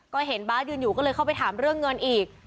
ก็เห็นบาร์ดยืนอยู่ก็เลยเข้าไปถามเรื่องเงินอีก